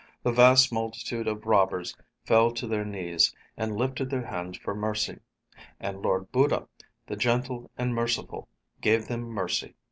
The vast multitude of robbers fell to their knees and lifted their hands for mercy. And Lord Buddha, the gentle and merciful, gave them mercy.